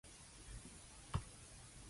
今晚得閒飲杯嘢嘛？